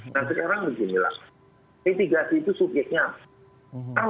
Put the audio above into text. nah sekarang beginilah mitigasi itu subjeknya apa